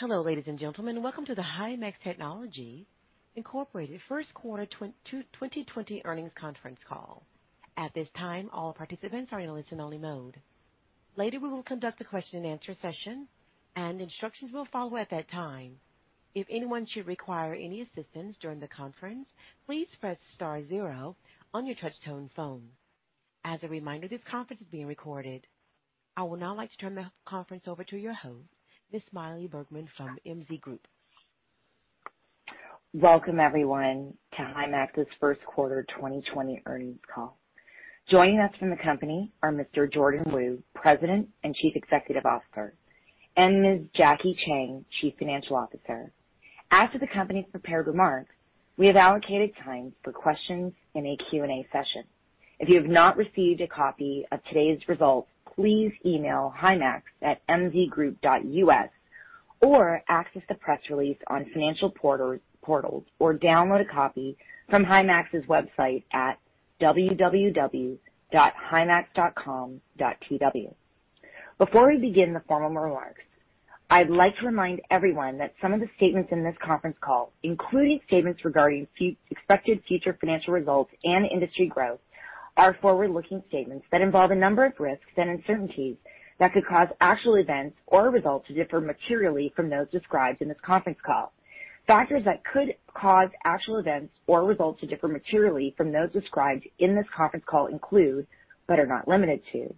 Hello, ladies and gentlemen. Welcome to the Himax Technologies Incorporated First Quarter 2020 Earnings Conference Call. At this time, all participants are in listen-only mode. Later, we will conduct a question-and-answer session, and instructions will follow at that time. If anyone should require any assistance during the conference, please press star zero on your touch-tone phone. As a reminder, this conference is being recorded. I would now like to turn the conference over to your host, Ms. Maili Bergman from MB Group. Welcome everyone to Himax's First quarter 2020 Earnings Call. Joining us from the company are Mr. Jordan Wu, President and Chief Executive Officer, and Ms. Jackie Chang, Chief Financial Officer. After the company's prepared remarks, we have allocated time for questions in a Q&A session. If you have not received a copy of today's results, please email himax@mzgroup.us or access the press release on financial portals, or download a copy from Himax's website at www.himax.com.tw. Before we begin the formal remarks, I'd like to remind everyone that some of the statements in this conference call, including statements regarding expected future financial results and industry growth, are forward-looking statements that involve a number of risks and uncertainties that could cause actual events or results to differ materially from those described in this conference call. Factors that could cause actual events or results to differ materially from those described in this conference call include, but are not limited to,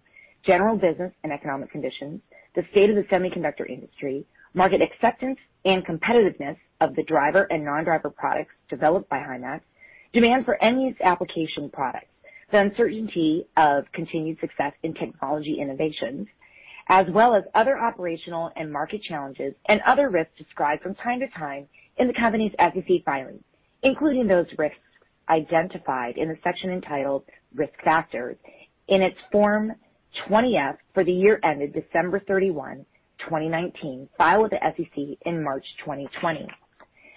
general business and economic conditions, the state of the semiconductor industry, market acceptance and competitiveness of the driver and non-driver products developed by Himax, demand for end-use application products, the uncertainty of continued success in technology innovations, as well as other operational and market challenges and other risks described from time to time in the company's SEC filings, including those risks identified in the section entitled Risk Factors in its Form 20-F for the year ended December 31, 2019, filed with the SEC in March 2020.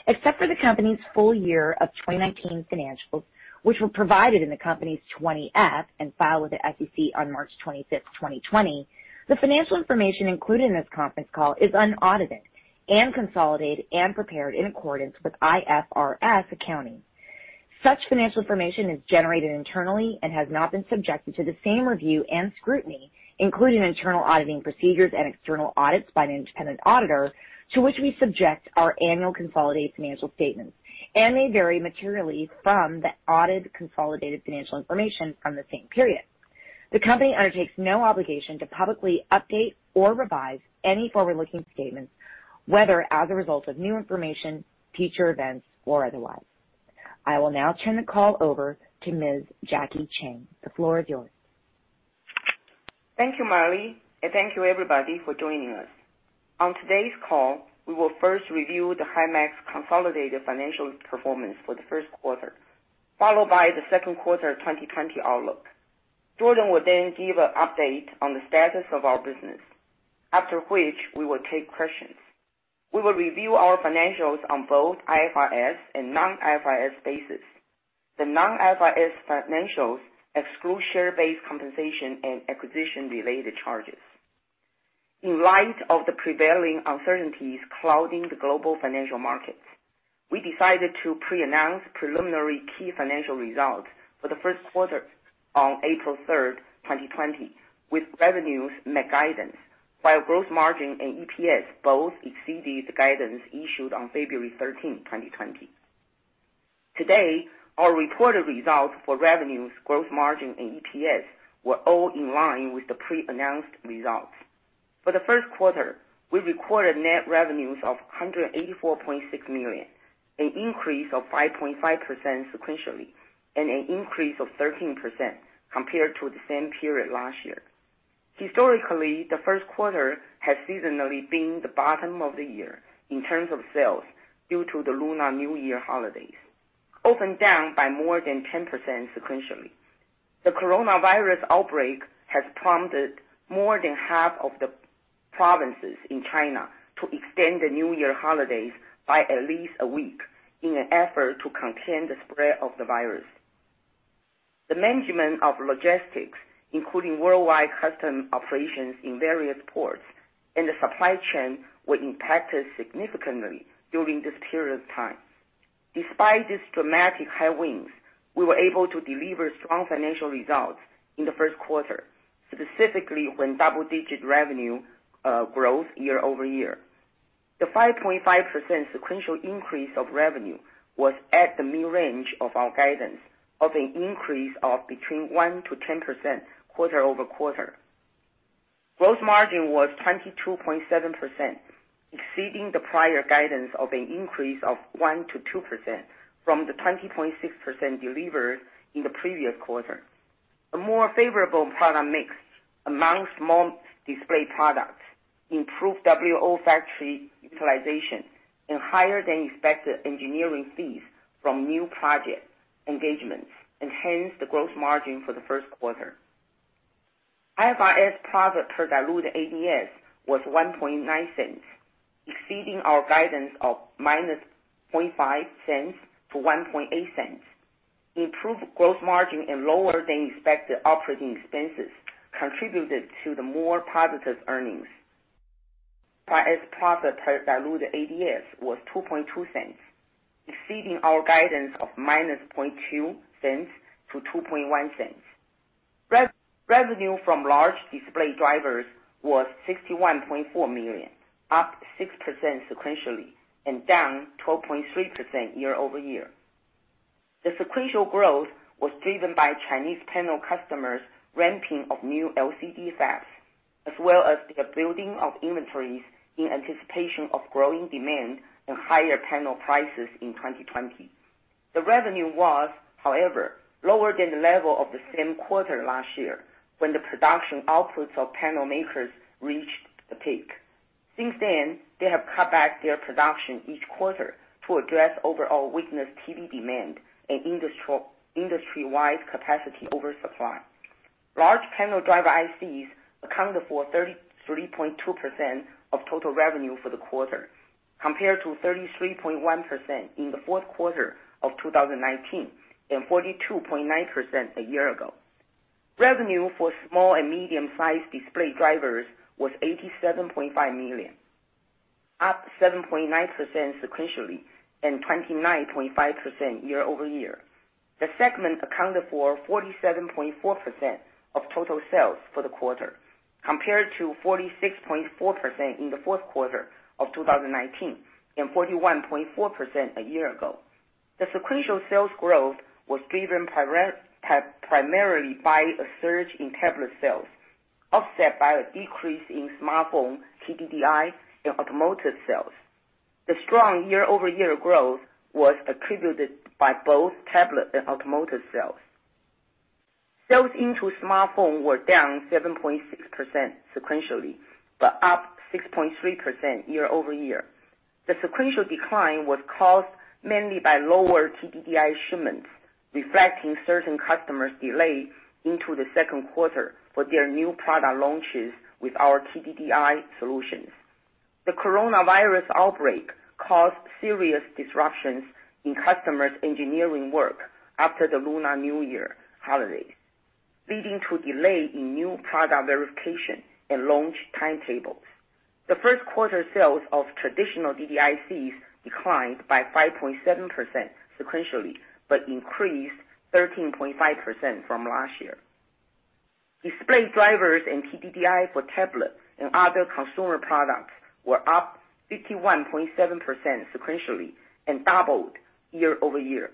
Except for the company's full year of 2019 financials, which were provided in the company's 20-F and filed with the SEC on March 25th, 2020. The financial information included in this conference call is unaudited and consolidated and prepared in accordance with IFRS accounting. Such financial information is generated internally and has not been subjected to the same review and scrutiny, including internal auditing procedures and external audits by an independent auditor, to which we subject our annual consolidated financial statements and may vary materially from the audited consolidated financial information from the same period. The company undertakes no obligation to publicly update or revise any forward-looking statements, whether as a result of new information, future events, or otherwise. I will now turn the call over to Ms. Jackie Chang. The floor is yours. Thank you, Maili, and thank you, everybody, for joining us. On today's call, we will first review the Himax consolidated financial performance for the first quarter, followed by the second quarter 2020 outlook. Jordan will then give an update on the status of our business, after which we will take questions. We will review our financials on both IFRS and non-IFRS basis. The non-IFRS financials exclude share-based compensation and acquisition-related charges. In light of the prevailing uncertainties clouding the global financial markets, we decided to pre-announce preliminary key financial results for the first quarter on April 3rd, 2020, with revenues met guidance, while gross margin and EPS both exceeded the guidance issued on February 13th, 2020. Today, our reported results for revenues, gross margin, and EPS were all in line with the pre-announced results. For the first quarter, we recorded net revenues of $184.6 million, an increase of 5.5% sequentially, and an increase of 13% compared to the same period last year. Historically, the first quarter has seasonally been the bottom of the year in terms of sales due to the Lunar New Year holidays, often down by more than 10% sequentially. The coronavirus outbreak has prompted more than half of the provinces in China to extend the new year holidays by at least a week in an effort to contain the spread of the virus. The management of logistics, including worldwide custom operations in various ports and the supply chain, were impacted significantly during this period of time. Despite these dramatic headwinds, we were able to deliver strong financial results in the first quarter, specifically when double-digit revenue growth year-over-year. The 5.5% sequential increase of revenue was at the mid-range of our guidance of an increase of between 1% to 10% quarter-over-quarter. Gross margin was 22.7%, exceeding the prior guidance of an increase of 1%-2% from the 20.6% delivered in the previous quarter. A more favorable product mix amongst more display products improved WLO factory utilization and higher than expected engineering fees from new project engagements enhanced the gross margin for the first quarter. IFRS profit per diluted ADS was $0.019, exceeding our guidance of -$0.005-$0.018. Improved gross margin and lower than expected operating expenses contributed to the more positive earnings. Profit per diluted ADS was $0.0220, exceeding our guidance of -$0.0020 to $0.0210. Revenue from large display drivers was $61.4 million, up 6% sequentially and down 12.3% year-over-year. The sequential growth was driven by Chinese panel customers' ramping of new LCD fabs, as well as the building of inventories in anticipation of growing demand and higher panel prices in 2020. The revenue was, however, lower than the level of the same quarter last year, when the production outputs of panel makers reached the peak. Since then, they have cut back their production each quarter to address overall weakness TV demand and industry-wide capacity oversupply. Large panel driver ICs accounted for 33.2% of total revenue for the quarter, compared to 33.1% in the fourth quarter of 2019 and 42.9% a year ago. Revenue for small and medium-sized display drivers was $87.5 million, up 7.9% sequentially and 29.5% year-over-year. The segment accounted for 47.4% of total sales for the quarter, compared to 46.4% in the fourth quarter of 2019 and 41.4% a year ago. The sequential sales growth was driven primarily by a surge in tablet sales, offset by a decrease in smartphone TDDI and automotive sales. The strong year-over-year growth was attributed by both tablet and automotive sales. Sales into smartphone were down 7.6% sequentially, but up 6.3% year-over-year. The sequential decline was caused mainly by lower TDDI shipments, reflecting certain customers delay into the second quarter for their new product launches with our TDDI solutions. The COVID-19 outbreak caused serious disruptions in customers' engineering work after the Lunar New Year holiday, leading to delay in new product verification and launch timetables. The first quarter sales of traditional DDICs declined by 5.7% sequentially, but increased 13.5% from last year. Display drivers and TDDI for tablet and other consumer products were up 51.7% sequentially and doubled year-over-year.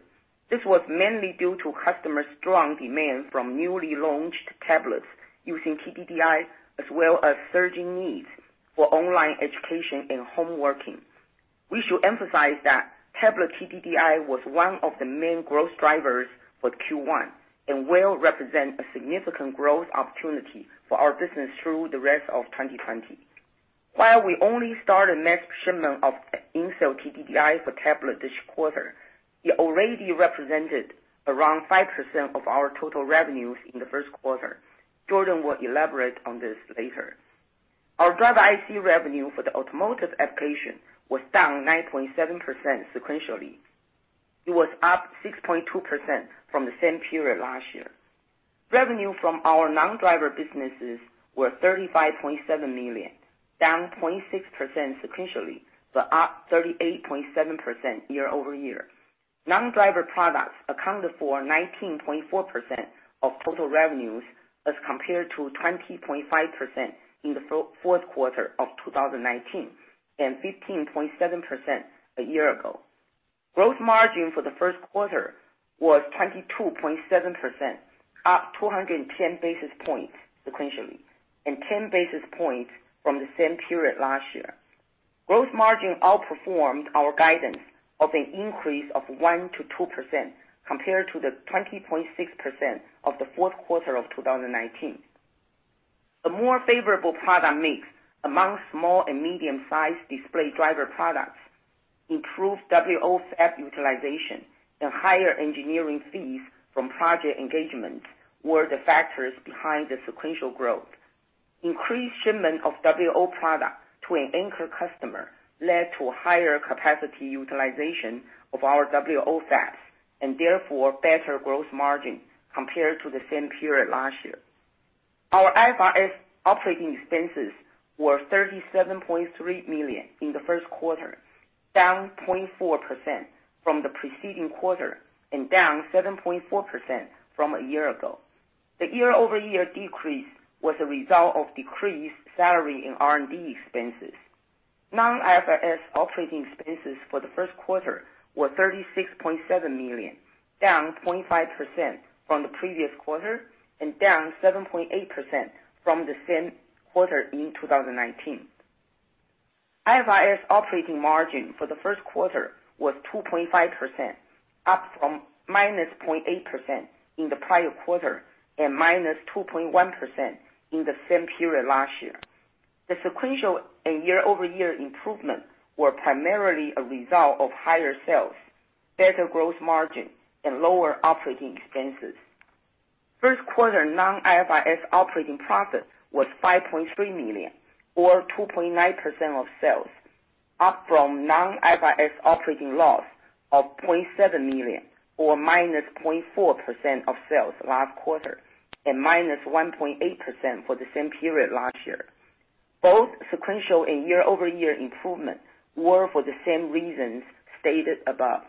This was mainly due to customer strong demand from newly launched tablets using TDDI, as well as surging needs for online education and home working. We should emphasize that tablet TDDI was one of the main growth drivers for Q1 and will represent a significant growth opportunity for our business through the rest of 2020. While we only started mass shipment of in-cell TDDI for tablet this quarter, it already represented around 5% of our total revenues in the first quarter. Jordan will elaborate on this later. Our driver IC revenue for the automotive application was down 9.7% sequentially. It was up 6.2% from the same period last year. Revenue from our non-driver businesses were $35.7 million, down 26% sequentially, but up 38.7% year-over-year. Non-driver products accounted for 19.4% of total revenues as compared to 20.5% in the fourth quarter of 2019 and 15.7% a year ago. Gross margin for the first quarter was 22.7%, up 210 basis points sequentially, and 10 basis points from the same period last year. Gross margin outperformed our guidance of an increase of 1%-2% compared to the 20.6% of the fourth quarter of 2019. A more favorable product mix among small and medium-sized display driver products, improved WLO fab utilization, and higher engineering fees from project engagement were the factors behind the sequential growth. Increased shipment of WLO product to an anchor customer led to higher capacity utilization of our WLO fabs, and therefore, better gross margin compared to the same period last year. Our IFRS operating expenses were $37.3 million in the first quarter, down 0.4% from the preceding quarter and down 7.4% from a year ago. The year-over-year decrease was a result of decreased salary and R&D expenses. non-IFRS operating expenses for the first quarter were $36.7 million, down 0.5% from the previous quarter and down 7.8% from the same quarter in 2019. IFRS operating margin for the first quarter was 2.5%, up from -0.8% in the prior quarter and -2.1% in the same period last year. The sequential and year-over-year improvement were primarily a result of higher sales, better gross margin, and lower operating expenses. First quarter non-IFRS operating profit was $5.3 million or 2.9% of sales, up from non-IFRS operating loss of $0.7 million, or -0.4% of sales last quarter, and -1.8% for the same period last year. Both sequential and year-over-year improvement were for the same reasons stated above.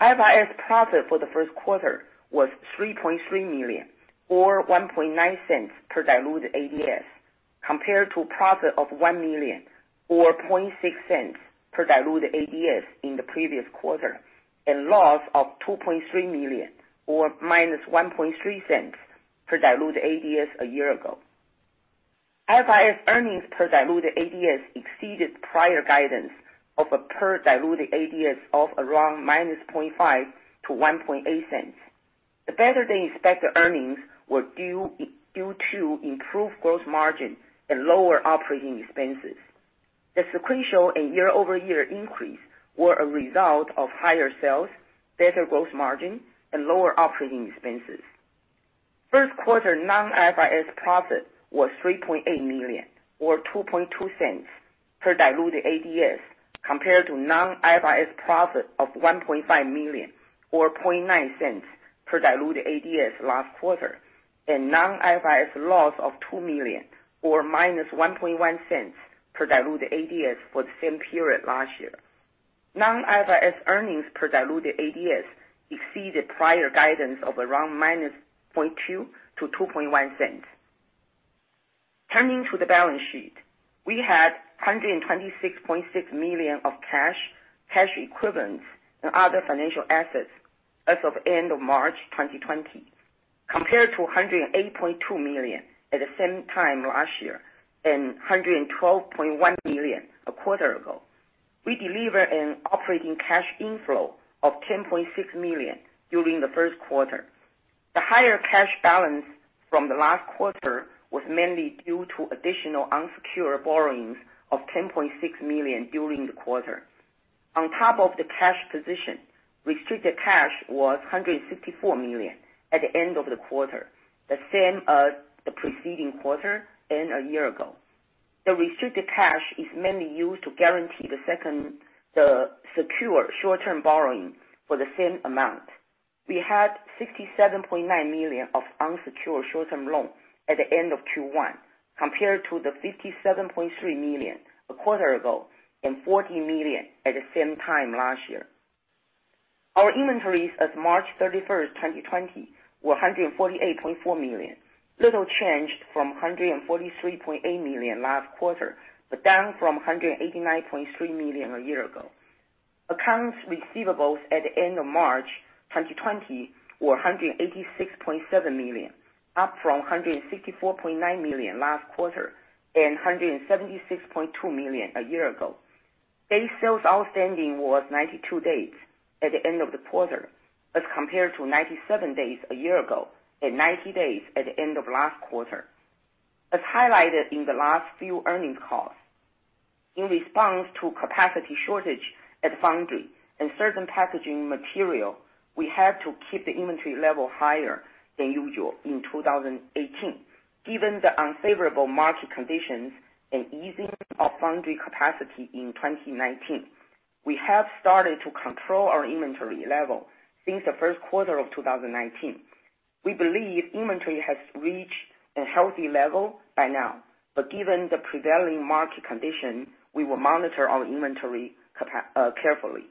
IFRS profit for the first quarter was $3.3 million, or $0.019 per diluted ADS, compared to profit of $1 million, or $0.006 per diluted ADS in the previous quarter, and loss of $2.3 million, or -$0.013 per diluted ADS a year ago. IFRS earnings per diluted ADS exceeded prior guidance of a per diluted ADS of around -$0.005 to $0.018. The better-than-expected earnings were due to improved gross margin and lower operating expenses. The sequential and year-over-year increase were a result of higher sales, better gross margin, and lower operating expenses. First quarter non-IFRS profit was $3.8 million, or $0.022 per diluted ADS, compared to non-IFRS profit of $1.5 million, or $0.009 per diluted ADS last quarter, and non-IFRS loss of $2 million, or -$0.011 per diluted ADS for the same period last year. Non-IFRS earnings per diluted ADS exceeded prior guidance of around -$0.002 to $0.021. Turning to the balance sheet. We had $126.6 million of cash equivalents, and other financial assets as of end of March 2020, compared to $108.2 million at the same time last year and $112.1 million a quarter ago. We delivered an operating cash inflow of $10.6 million during the first quarter. The higher cash balance from the last quarter was mainly due to additional unsecured borrowings of $10.6 million during the quarter. On top of the cash position, restricted cash was $164 million at the end of the quarter, the same as the preceding quarter and a year ago. The restricted cash is mainly used to guarantee the secure short-term borrowing for the same amount. We had $67.9 million of unsecured short-term loans at the end of Q1, compared to the $57.3 million a quarter ago and $40 million at the same time last year. Our inventories as March 31st, 2020, were $148.4 million, little changed from $143.8 million last quarter, but down from $189.3 million a year ago. Accounts receivables at the end of March 2020 were $186.7 million, up from $164.9 million last quarter and $176.2 million a year ago. Day sales outstanding was 92 days at the end of the quarter as compared to 97 days a year ago and 90 days at the end of last quarter. As highlighted in the last few earnings calls, in response to capacity shortage at foundry and certain packaging material, we had to keep the inventory level higher than usual in 2018. Given the unfavorable market conditions and easing of foundry capacity in 2019, we have started to control our inventory level since the first quarter of 2019. We believe inventory has reached a healthy level by now, but given the prevailing market condition, we will monitor our inventory carefully.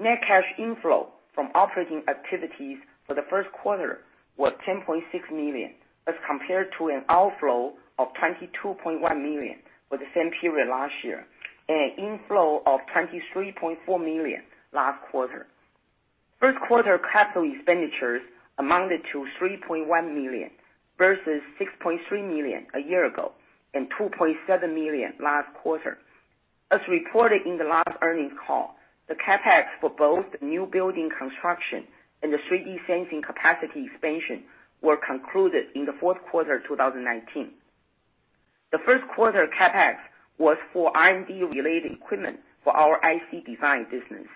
Net cash inflow from operating activities for the first quarter was $10.6 million as compared to an outflow of $22.1 million for the same period last year and an inflow of $23.4 million last quarter. First quarter capital expenditures amounted to $3.1 million versus $6.3 million a year ago and $2.7 million last quarter. As reported in the last earnings call, the CapEx for both the new building construction and the 3D sensing capacity expansion were concluded in the fourth quarter 2019. The first quarter CapEx was for R&D-related equipment for our IC design business.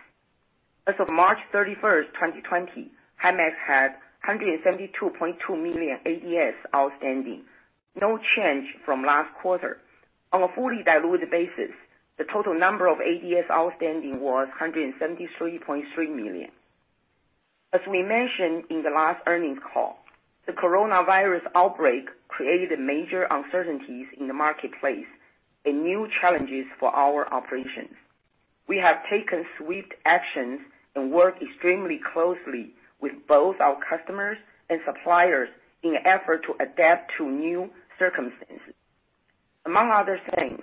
As of March 31st, 2020, Himax had 172.2 million ADS outstanding, no change from last quarter. On a fully diluted basis, the total number of ADS outstanding was 173.3 million. As we mentioned in the last earnings call, the coronavirus outbreak created major uncertainties in the marketplace and new challenges for our operations. We have taken swift actions and work extremely closely with both our customers and suppliers in an effort to adapt to new circumstances. Among other things,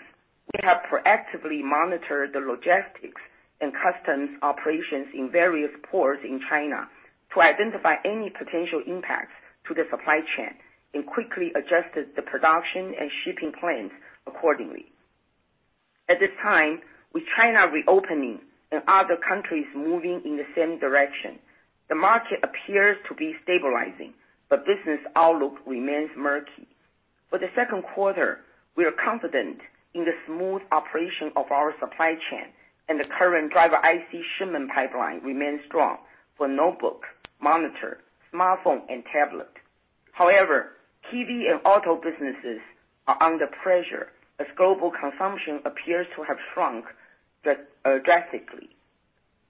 we have proactively monitored the logistics and customs operations in various ports in China to identify any potential impacts to the supply chain and quickly adjusted the production and shipping plans accordingly. At this time, with China reopening and other countries moving in the same direction, the market appears to be stabilizing, but business outlook remains murky. For the second quarter, we are confident in the smooth operation of our supply chain and the current driver IC shipment pipeline remains strong for notebook, monitor, smartphone, and tablet. TV and auto businesses are under pressure as global consumption appears to have shrunk drastically.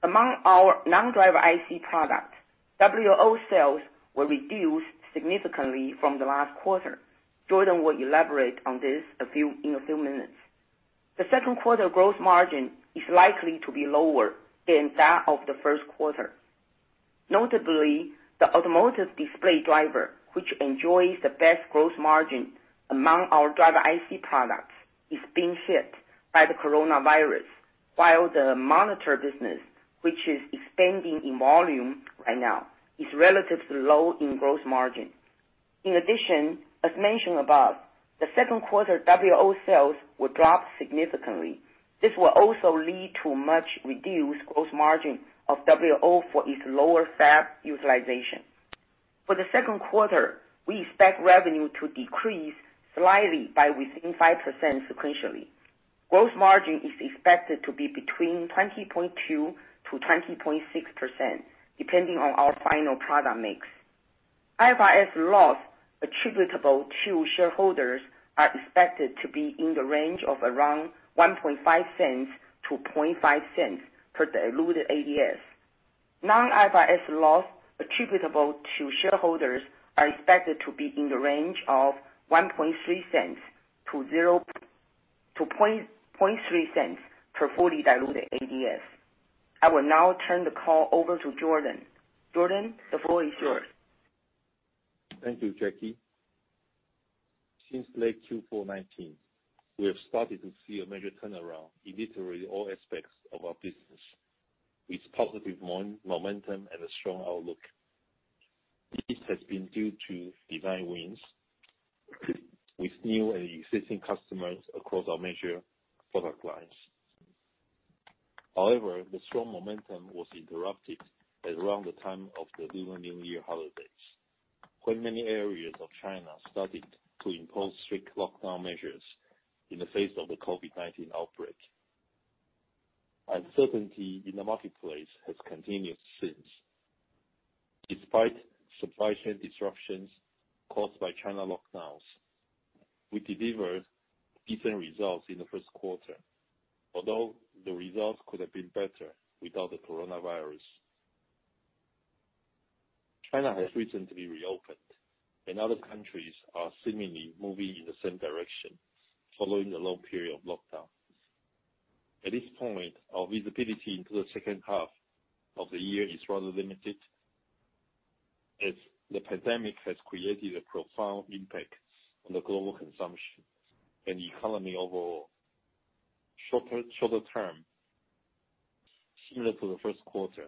Among our non-driver IC products, WLO sales will reduce significantly from the last quarter. Jordan will elaborate on this in a few minutes. The second quarter gross margin is likely to be lower than that of the first quarter. Notably, the automotive display driver, which enjoys the best gross margin among our driver IC products, is being hit by the coronavirus, while the monitor business, which is expanding in volume right now, is relatively low in gross margin. In addition, as mentioned above, the second quarter WLO sales will drop significantly. This will also lead to much reduced gross margin of WLO for its lower fab utilization. For the second quarter, we expect revenue to decrease slightly by within 5% sequentially. Gross margin is expected to be between 20.2%-20.6%, depending on our final product mix. IFRS loss attributable to shareholders is expected to be in the range of around $0.015-$0.005 per diluted ADS. Non-IFRS loss attributable to shareholders is expected to be in the range of $0.013-$0.003 per fully diluted ADS. I will now turn the call over to Jordan. Jordan, the floor is yours. Thank you, Jackie. Since late Q4 2019, we have started to see a major turnaround in literally all aspects of our business, with positive momentum and a strong outlook. This has been due to design wins with new and existing customers across our major product lines. The strong momentum was interrupted at around the time of the Lunar New Year holidays, when many areas of China started to impose strict lockdown measures in the face of the COVID-19 outbreak. Uncertainty in the marketplace has continued since. Despite supply chain disruptions caused by China lockdowns, we delivered decent results in the first quarter. The results could have been better without the coronavirus. China has recently reopened. Other countries are seemingly moving in the same direction following the long period of lockdowns. At this point, our visibility into the second half of the year is rather limited, as the pandemic has created a profound impact on the global consumption and the economy overall. Shorter term, similar to the first quarter,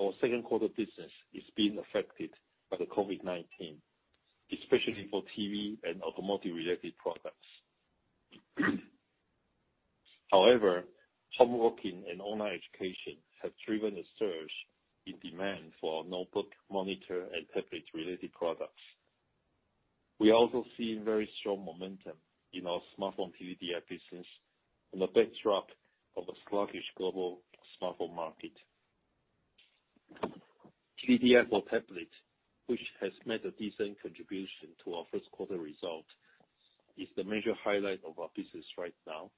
our second quarter business is being affected by the COVID-19, especially for TV and automotive-related products. However, home working and online education have driven a surge in demand for our notebook, monitor, and tablet-related products. We also see very strong momentum in our smartphone TDDI business on the backdrop of a sluggish global smartphone market. TDDI for tablet, which has made a decent contribution to our first quarter result, is the major highlight of our business right now,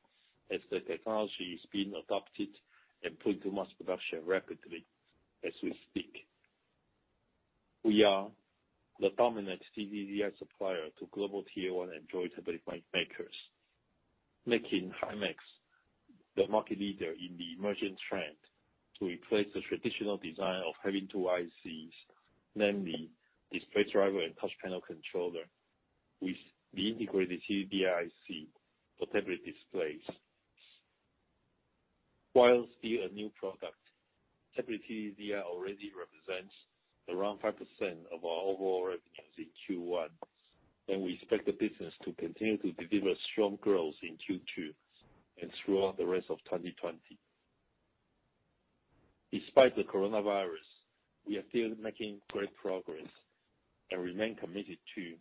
as the technology is being adopted and put to mass production rapidly as we speak. We are the dominant TDDI supplier to global Tier-1 Android tablet makers, making Himax the market leader in the emerging trend to replace the traditional design of having two ICs, namely display driver and touch panel controller, with the integrated TDDI IC for tablet displays. While still a new product, tablet TDDI already represents around 5% of our overall revenues in Q1, and we expect the business to continue to deliver strong growth in Q2 and throughout the rest of 2020. Despite the COVID-19, we are still making great progress and remain committed to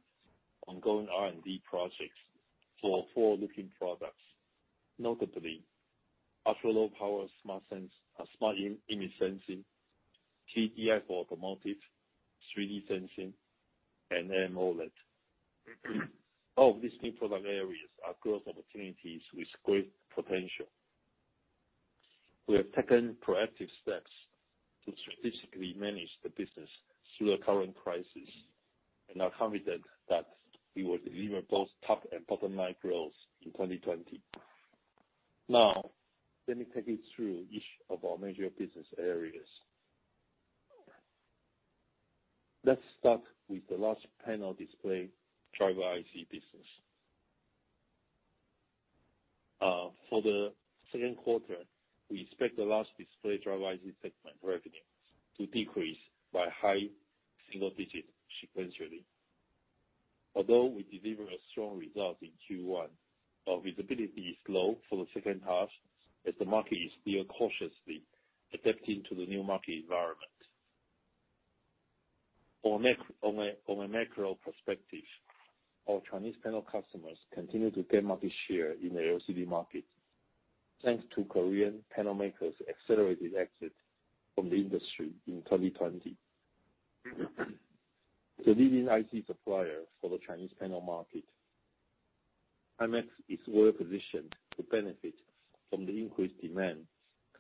ongoing R&D projects for forward-looking products, notably ultra-low power smart image sensing, TDDI for automotive, 3D sensing, and AMOLED. All of these new product areas are growth opportunities with great potential. We have taken proactive steps to strategically manage the business through the current crisis and are confident that we will deliver both top and bottom-line growth in 2020. Now, let me take you through each of our major business areas. Let's start with the large panel display driver IC business. For the second quarter, we expect the large display driver IC segment revenues to decrease by high single digits sequentially. Although we delivered a strong result in Q1, our visibility is low for the second half as the market is still cautiously adapting to the new market environment. From a macro perspective, our Chinese panel customers continue to gain market share in the LCD market, thanks to Korean panel makers' accelerated exit from the industry in 2020. Leading IC supplier for the Chinese panel market. Himax is well-positioned to benefit from the increased demand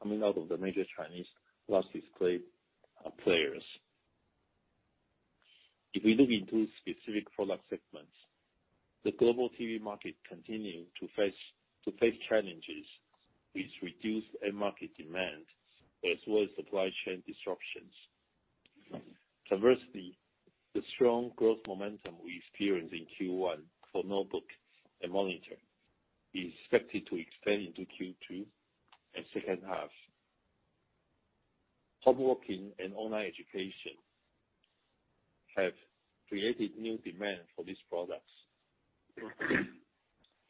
coming out of the major Chinese large display players. If we look into specific product segments, the global TV market continue to face challenges with reduced end market demand as well as supply chain disruptions. Conversely, the strong growth momentum we experienced in Q1 for NB and monitor is expected to extend into Q2 and second half. Homeworking and online education have created new demand for these products.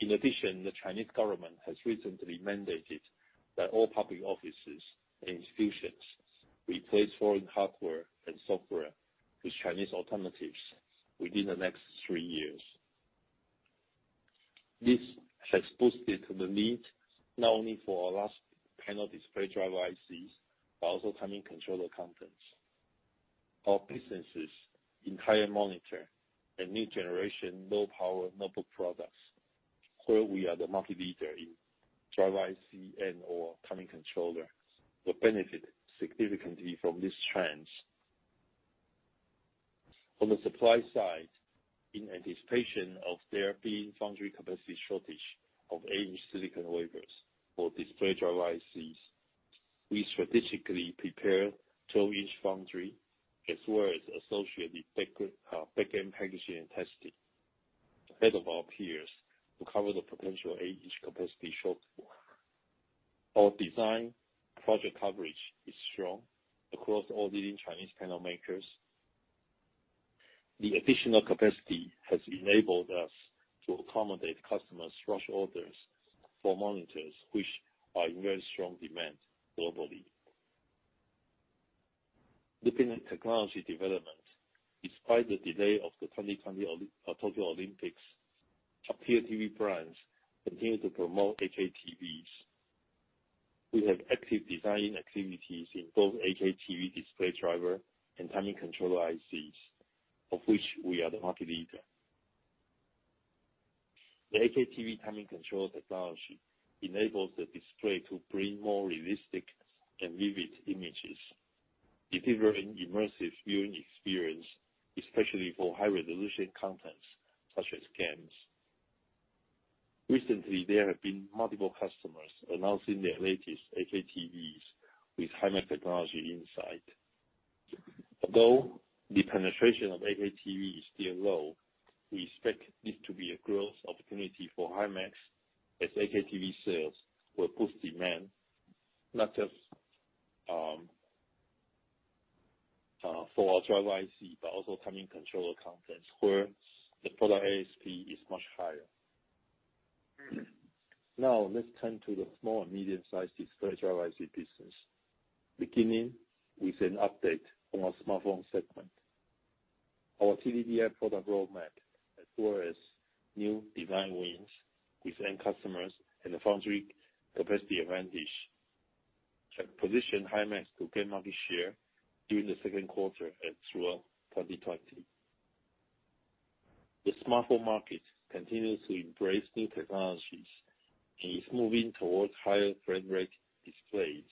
In addition, the Chinese government has recently mandated that all public offices and institutions replace foreign hardware and software with Chinese alternatives within the next three years. This has boosted the need, not only for our large panel display driver ICs, but also timing controller contents. Our businesses in high-end monitor and new generation, low-power notebook products, where we are the market leader in driver IC and/or timing controllers, will benefit significantly from this trend. On the supply side, in anticipation of there being foundry capacity shortage of 8-in silicon wafers for display driver ICs, we strategically prepared 12-in foundry as well as associated back-end packaging and testing ahead of our peers to cover the potential 8-incapacity shortfall. Our design project coverage is strong across all leading Chinese panel makers. The additional capacity has enabled us to accommodate customers' rush orders for monitors, which are in very strong demand globally. Looking at technology development, despite the delay of the 2020 Tokyo Olympics, top-tier TV brands continue to promote 8K TVs. We have active design-in activities in both 8K TV display driver and timing controller ICs, of which we are the market leader. The 8K TV timing control technology enables the display to bring more realistic and vivid images, delivering immersive viewing experience, especially for high-resolution contents such as games. Recently, there have been multiple customers announcing their latest 8K TVs with Himax technology inside. Although the penetration of 8K TV is still low, we expect this to be a growth opportunity for Himax, as 8K TV sales will boost demand, not just for our driver IC, but also timing controller contents, where the product ASP is much higher. Now, let's turn to the small and medium-sized display driver IC business. Beginning with an update on our smartphone segment. Our TDDI product roadmap, as well as new design wins with end customers and the foundry capacity advantage, position Himax to gain market share during the second quarter and throughout 2020. The smartphone market continues to embrace new technologies and is moving towards higher frame rate displays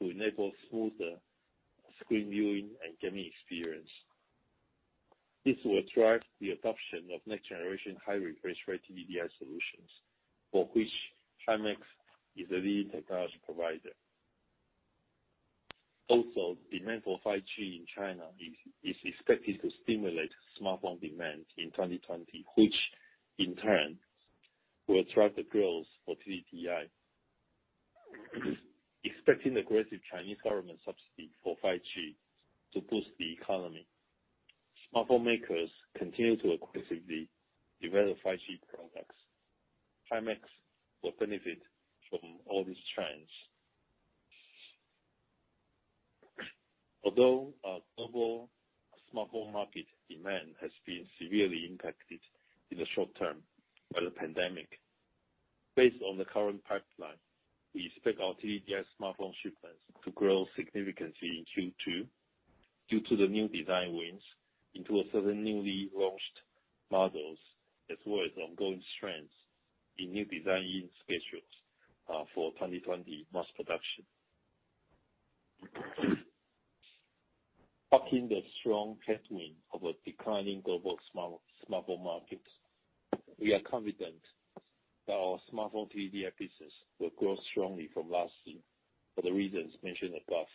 to enable smoother screen viewing and gaming experience. This will drive the adoption of next-generation high refresh rate TDDI solutions, for which Himax is the lead technology provider. Demand for 5G in China is expected to stimulate smartphone demand in 2020, which in turn will drive the growth for TDDI. Expecting aggressive Chinese government subsidy for 5G to boost the economy, smartphone makers continue to aggressively develop 5G products. Himax will benefit from all these trends. Although our global smartphone market demand has been severely impacted in the short term by the pandemic, based on the current pipeline, we expect our TDDI smartphone shipments to grow significantly in Q2 due to the new design wins into several newly launched models as well as ongoing strengths in new design-in schedules for 2020 mass production. Bucking the strong headwind of a declining global smartphone market, we are confident that our smartphone TDDI business will grow strongly from last year for the reasons mentioned above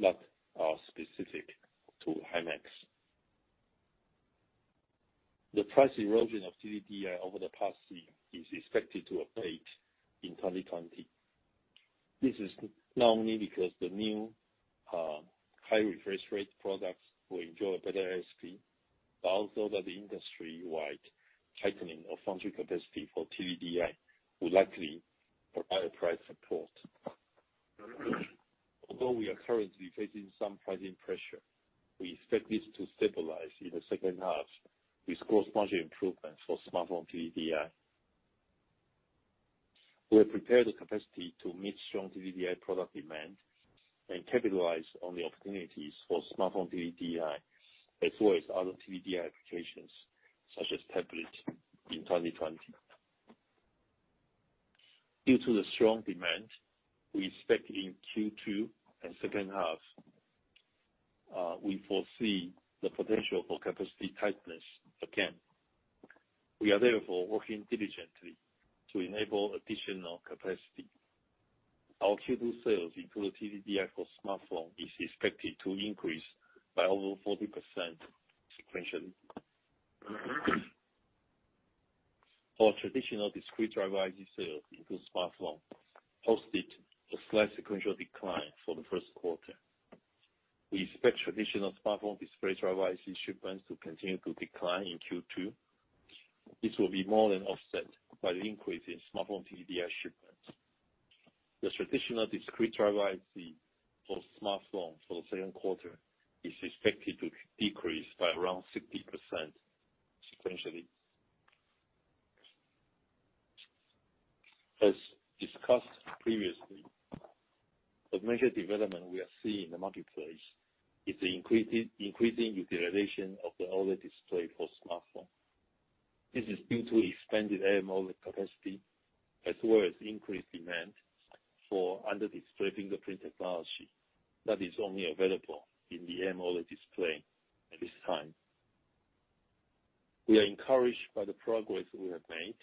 that are specific to Himax. The price erosion of TDDI over the past year is expected to abate in 2020. This is not only because the new high refresh rate products will enjoy a better ASP, but also that the industry-wide tightening of foundry capacity for TDDI will likely provide price support. Although we are currently facing some pricing pressure, we expect this to stabilize in the second half with gross margin improvements for smartphone TDDI. We have prepared the capacity to meet strong TDDI product demand and capitalize on the opportunities for smartphone TDDI, as well as other TDDI applications such as tablet in 2020. Due to the strong demand we expect in Q2 and second half, we foresee the potential for capacity tightness again. We are therefore working diligently to enable additional capacity. Our Q2 sales into the TDDI for smartphone is expected to increase by over 40% sequentially. Our traditional discrete driver IC sales into smartphone posted a slight sequential decline for the first quarter. We expect traditional smartphone discrete driver IC shipments to continue to decline in Q2. This will be more than offset by the increase in smartphone TDDI shipments. The traditional discrete driver IC for smartphone for the second quarter is expected to decrease by around 60% sequentially. As discussed previously, a major development we are seeing in the marketplace is the increasing utilization of the OLED display for smartphone. This is due to expanded AMOLED capacity, as well as increased demand for under-display fingerprint technology that is only available in the AMOLED display at this time. We are encouraged by the progress we have made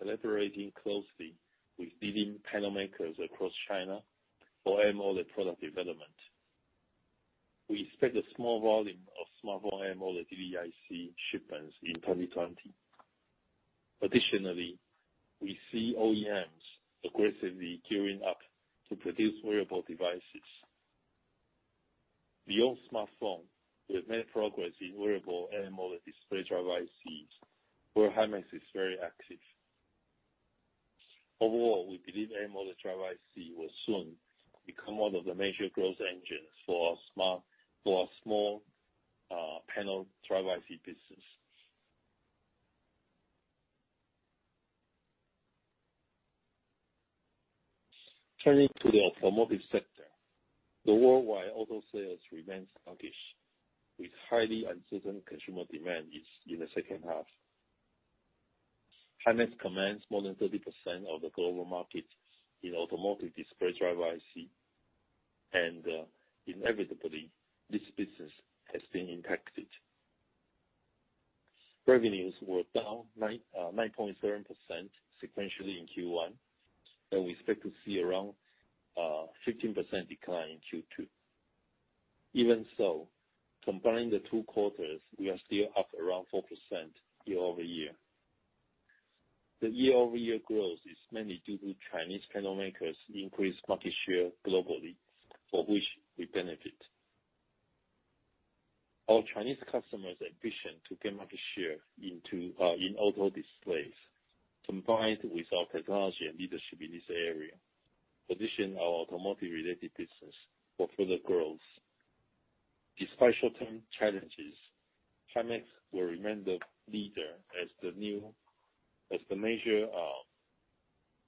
collaborating closely with leading panel makers across China for AMOLED product development. We expect a small volume of smartphone AMOLED TDDI IC shipments in 2020. Additionally, we see OEMs aggressively gearing up to produce wearable devices. Beyond smartphone, we have made progress in wearable AMOLED display driver ICs, where Himax is very active. Overall, we believe AMOLED driver IC will soon become one of the major growth engines for our small panel driver IC business. Turning to the automotive sector. The worldwide auto sales remains sluggish, with highly uncertain consumer demand in the second half. Himax commands more than 30% of the global market in automotive display driver IC, and inevitably this business has been impacted. Revenues were down 9.7% sequentially in Q1, and we expect to see around 15% decline in Q2. Even so, combining the two quarters, we are still up around 4% year-over-year. The year-over-year growth is mainly due to Chinese panel makers increased market share globally, for which we benefit. Our Chinese customers' ambition to gain market share in auto displays, combined with our technology and leadership in this area, position our automotive-related business for further growth. Despite short-term challenges, Himax will remain the leader as the major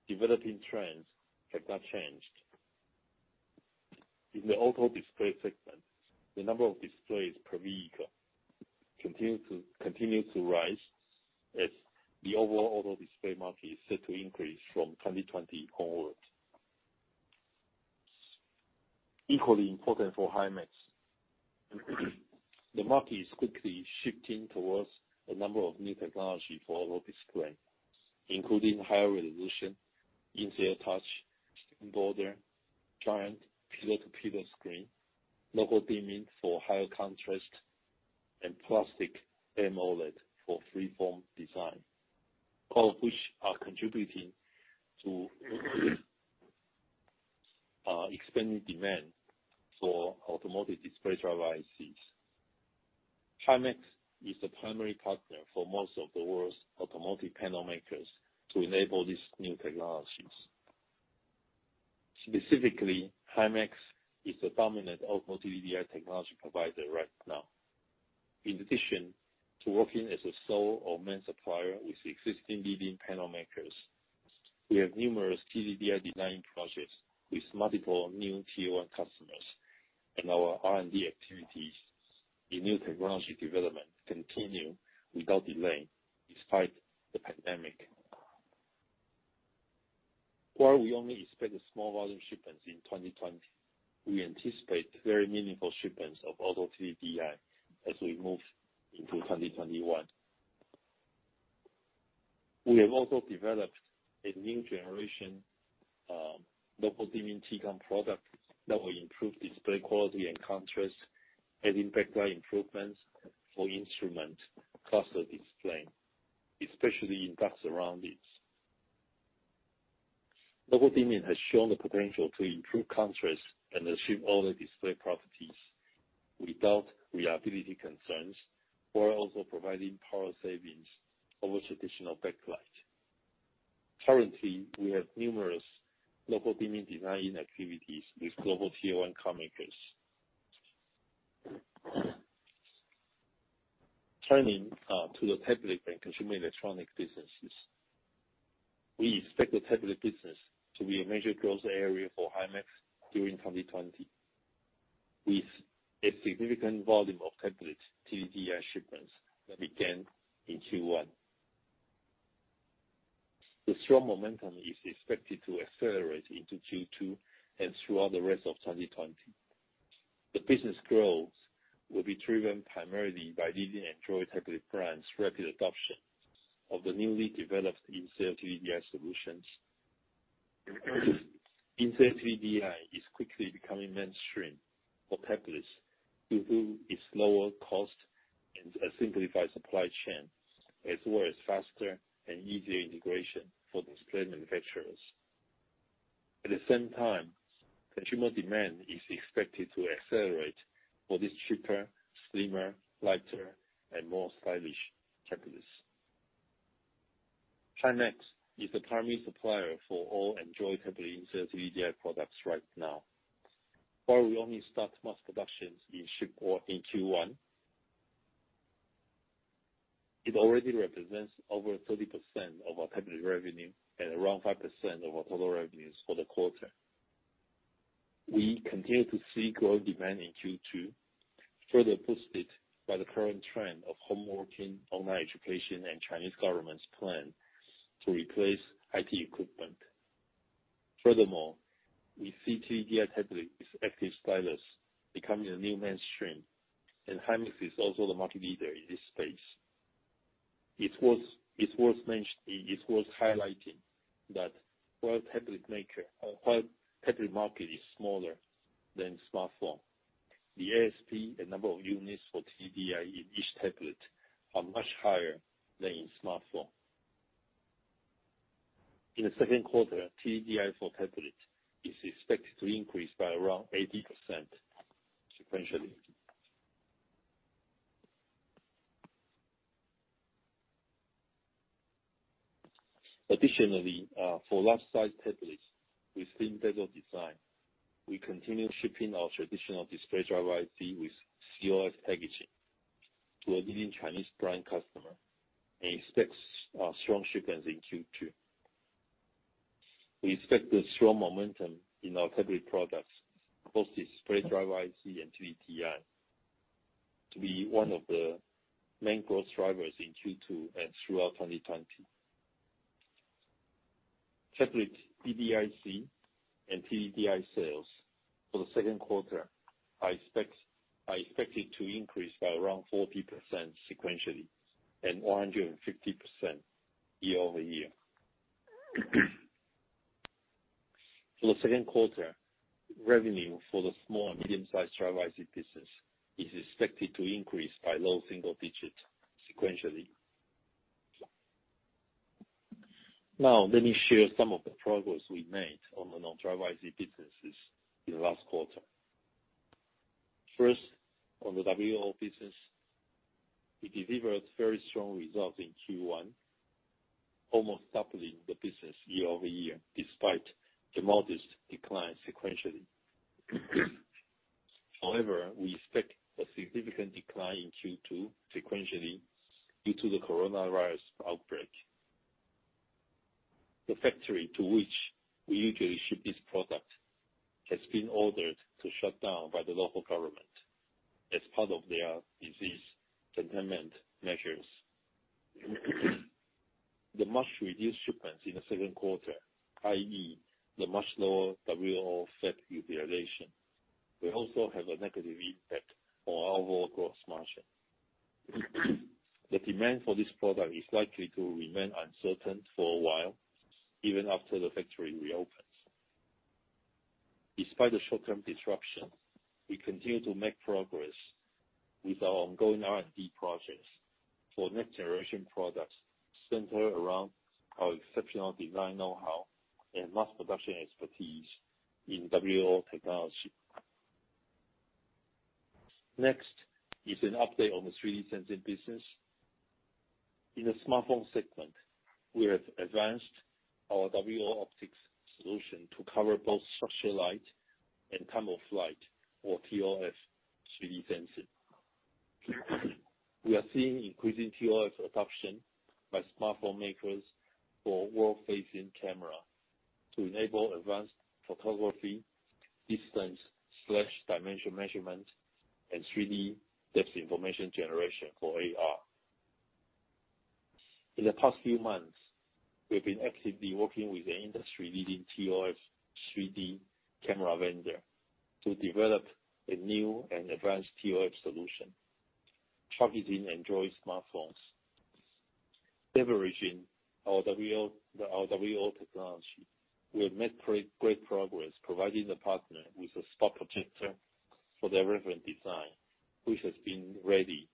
developing trends have not changed. In the auto display segment, the number of displays per vehicle continues to rise as the overall auto display market is set to increase from 2020 onwards. Equally important for Himax, the market is quickly shifting towards a number of new technology for auto display, including higher resolution, in-cell touch, slim border, giant pillar-to-pillar screen, local dimming for higher contrast, and plastic AMOLED for free-form design. All of which are contributing to expanding demand for automotive display driver ICs. Himax is the primary partner for most of the world's automotive panel makers to enable these new technologies. Specifically, Himax is the dominant automotive TDDI technology provider right now. In addition to working as a sole or main supplier with existing leading panel makers, we have numerous TDDI design projects with multiple new tier-1 customers, and our R&D activities in new technology development continue without delay despite the pandemic. While we only expect a small volume of shipments in 2020, we anticipate very meaningful shipments of auto TDDI as we move into 2021. We have also developed a new generation local dimming Tcon product that will improve display quality and contrast, and adding backlight improvements for instrument cluster display, especially in dark surroundings. Local dimming has shown the potential to improve contrast and achieve all the display properties without reliability concerns, while also providing power savings over traditional backlight. Currently, we have numerous local dimming design activities with global tier-1 car makers. Turning to the tablet and consumer electronic businesses. We expect the tablet business to be a major growth area for Himax during 2020, with a significant volume of tablets TDDI shipments that began in Q1. The strong momentum is expected to accelerate into Q2 and throughout the rest of 2020. The business growth will be driven primarily by leading Android tablet brands' rapid adoption of the newly developed in-cell TDDI solutions. In-cell TDDI is quickly becoming mainstream for tablets due to its lower cost and a simplified supply chain, as well as faster and easier integration for display manufacturers. Consumer demand is expected to accelerate for these cheaper, slimmer, lighter, and more stylish tablets. Himax is the primary supplier for all Android tablet in-cell TDDI products right now. While we only start mass productions [shipments] Q1, it already represents over 30% of our tablet revenue and around 5% of our total revenues for the quarter. We continue to see growth demand in Q2, further boosted by the current trend of homeworking, online education, and Chinese government's plan to replace IT equipment. We see TDDI tablet with active stylus becoming the new mainstream, and Himax is also the market leader in this space. It's worth highlighting that while tablet market is smaller than smartphone, the ASP, the number of units for TDDI in each tablet are much higher than in smartphone. In the second quarter, TDDI for tablet is expected to increase by around 80% sequentially. Additionally, for large-sized tablets with thin bezel design, we continue shipping our traditional display driver IC with CoF packaging to a leading Chinese brand customer and expect strong shipments in Q2. We expect the strong momentum in our tablet products, both the display driver IC and TDDI, to be one of the main growth drivers in Q2 and throughout 2020. Tablet DDIC and TDDI sales for the second quarter are expected to increase by around 40% sequentially and 150% year over year. For the second quarter, revenue for the small and medium-sized driver IC business is expected to increase by low single digits sequentially. Now, let me share some of the progress we made on the non-driver IC businesses in the last quarter. First, on the WLO business, we delivered very strong results in Q1, almost doubling the business year-over-year, despite modest decline sequentially. However, we expect a significant decline in Q2 sequentially due to the COVID-19 outbreak. The factory to which we usually ship this product has been ordered to shut down by the local government as part of their disease containment measures. The much-reduced shipments in the second quarter, i.e., the much lower WLO fab utilization, will also have a negative impact on our overall gross margin. The demand for this product is likely to remain uncertain for a while, even after the factory reopens. Despite the short-term disruption, we continue to make progress with our ongoing R&D projects for next-generation products centered around our exceptional design know-how and mass production expertise in WLO technology. Next is an update on the 3D sensing business. In the smartphone segment, we have advanced our WLO optics solution to cover both structured light and time-of-flight or ToF 3D sensing. We are seeing increasing ToF adoption by smartphone makers for wall-facing camera to enable advanced photography, distance/dimensional measurements, and 3D depth information generation for AR. In the past few months, we've been actively working with the industry-leading ToF 3D camera vendor to develop a new and advanced ToF solution targeting Android smartphones. Leveraging our WLO technology, we have made great progress providing the partner with a spot projector for their reference design, which has been ready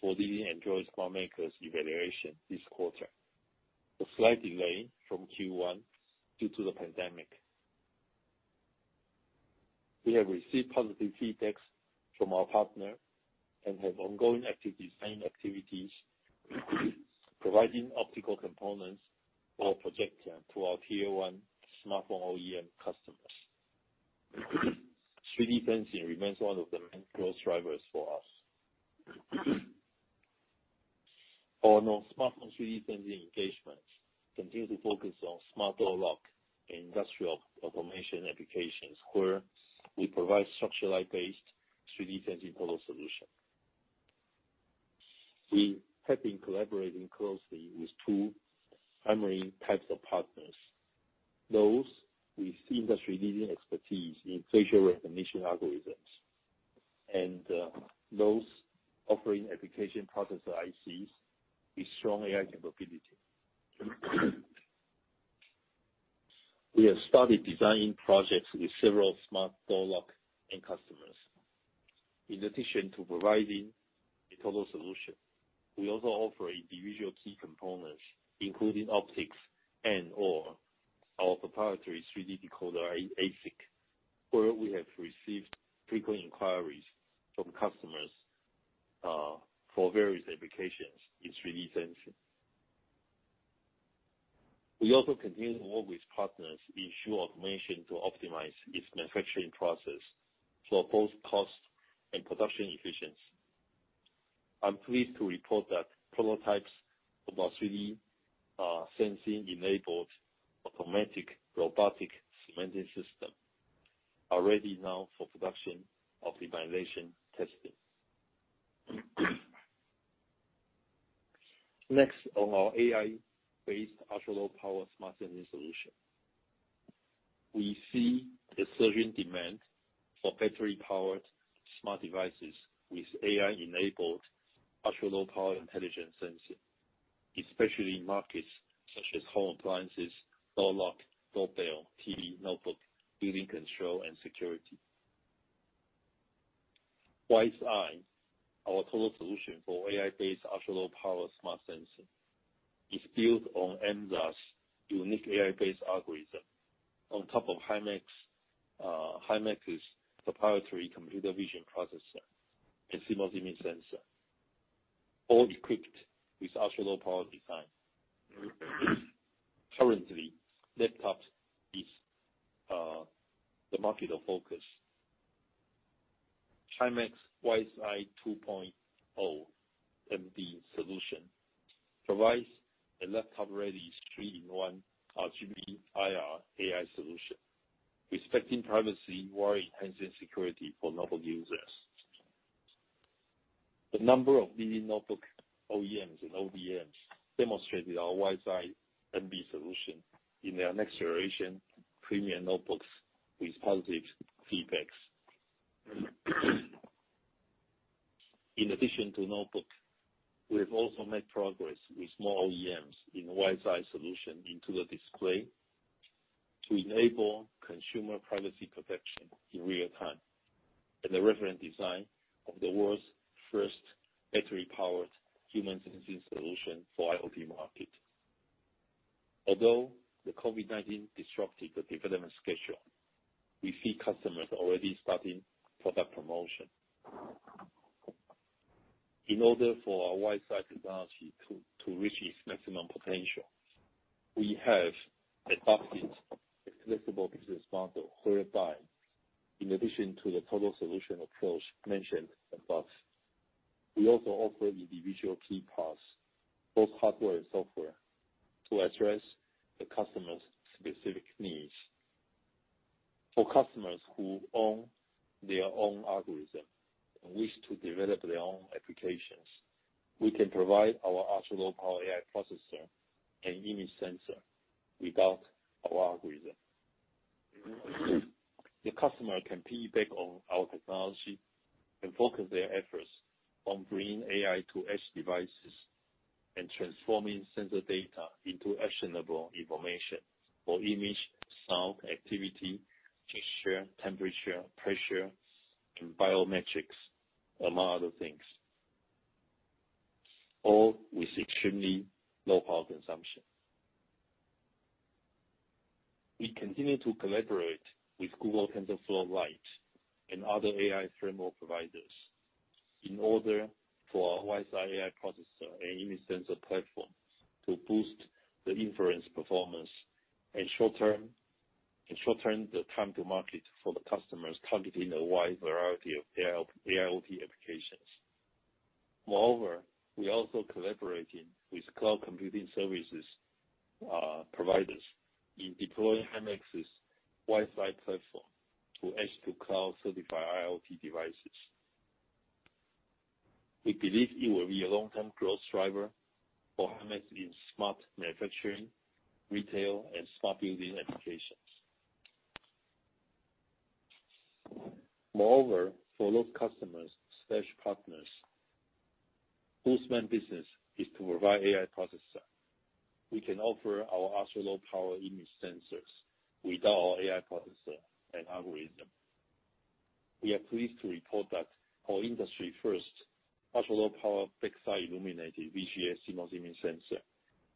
for the Android smartphone makers' evaluation this quarter. A slight delay from Q1 due to the pandemic. We have received positive feedbacks from our partner and have ongoing active design activities, providing optical components or projection to our tier 1 smartphone OEM customers. 3D sensing remains one of the main growth drivers for us. On our smartphone 3D sensing engagements, continue to focus on smart door lock and industrial automation applications, where we provide structured light-based 3D sensing total solution. We have been collaborating closely with two primary types of partners. Those with industry-leading expertise in facial recognition algorithms, and those offering application processor ICs with strong AI capability. We have started designing projects with several smart door lock end customers. In addition to providing a total solution, we also offer individual key components, including optics and/or our proprietary 3D decoder, ASIC, where we have received frequent inquiries from customers for various applications in 3D sensing. We also continue to work with partners in shoe automation to optimize its manufacturing process for both cost and production efficiency. I'm pleased to report that prototypes of our 3D sensing-enabled automatic robotic cementing system are ready now for production of evaluation testing. Next, on our AI-based ultra-low power smart sensing solution. We see a surging demand for battery-powered smart devices with AI-enabled ultra-low power intelligent sensing, especially in markets such as home appliances, door lock, doorbell, TV, notebook, building control, and security. WiseEye, our total solution for AI-based ultra-low power smart sensing is built on Emza's unique AI-based algorithm. On top of Himax's proprietary computer vision processor and CMOS image sensor, all equipped with ultra-low power design. Currently, laptop is the market of focus. Himax WiseEye 2.0 NB solution provides a laptop-ready three-in-one RGB/IR/AI solution, respecting privacy while enhancing security for notebook users. The number of leading notebook OEMs and ODMs demonstrated our WiseEye NB solution in their next generation premium notebooks with positive feedbacks. In addition to notebook, we have also made progress with more OEMs in WiseEye solution into the display to enable consumer privacy protection in real time and the reference design of the world's first battery-powered human sensing solution for IoT market. Although the COVID-19 disrupted the development schedule, we see customers already starting product promotion. In order for our WiseEye technology to reach its maximum potential, we have adopted a flexible business model whereby in addition to the total solution approach mentioned above, we also offer individual key parts, both hardware and software, to address the customer's specific needs. For customers who own their own algorithm and wish to develop their own applications, we can provide our ultra-low power AI processor and image sensor without our algorithm. The customer can piggyback on our technology and focus their efforts on bringing AI to edge devices and transforming sensor data into actionable information for image, sound, activity, gesture, temperature, pressure, and biometrics, among other things. All with extremely low power consumption. We continue to collaborate with Google TensorFlow Lite and other AI framework providers in order for our WiseEye AI processor and image sensor platform to boost the inference performance and shorten the time to market for the customers targeting a wide variety of AIoT applications. Moreover, we're also collaborating with cloud computing services providers in deploying Himax's WiseEye platform to edge-to-cloud certify IoT devices. We believe it will be a long-term growth driver for Himax in smart manufacturing, retail, and smart building applications. Moreover, for those customers/partners whose main business is to provide AI processor, we can offer our ultra-low power image sensors without our AI processor and algorithm. We are pleased to report that our industry first ultra-low power backside illuminated VGA CMOS image sensor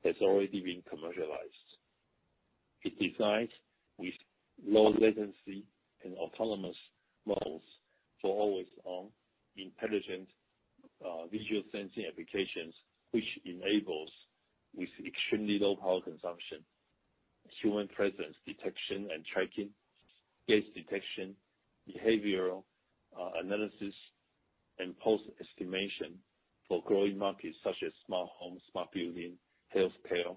has already been commercialized. It designs with low latency and autonomous modes for always-on intelligent visual sensing applications, which enables, with extremely low power consumption, human presence detection and tracking, gaze detection, behavioral analysis, and pose estimation for growing markets such as smart home, smart building, healthcare,